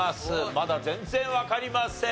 まだ全然わかりません。